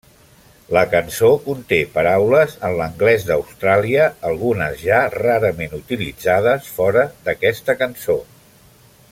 La cançó conté paraules en l'anglès d'Austràlia, algunes ja rarament utilitzades fora d'aquesta cançó.